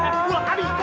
abi takut sama masu